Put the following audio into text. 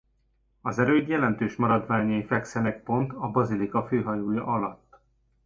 Az erőd jelentős maradványai fekszenek pont a bazilika főhajója alatt.